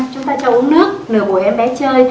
chúng ta cho uống nước nửa buổi em bé chơi